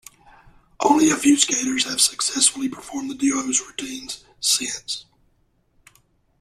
Only a few skaters have successfully performed the duo's routines since.